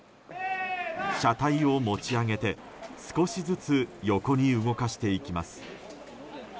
車体を持ち上げて少しずつ横に動かしていきます。